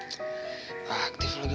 tidak aktif lagi nomornya